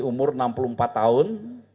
umur enam puluh empat tahun